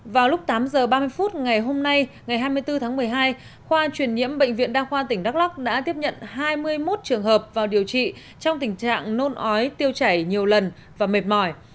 vào lúc tám h ba mươi phút ngày hôm nay ngày hai mươi bốn tháng một mươi hai khoa truyền nhiễm bệnh viện đa khoa tỉnh đắk lắc đã tiếp nhận hai mươi một trường hợp vào điều trị trong tình trạng nôn ói tiêu chảy nhiều lần và mệt mỏi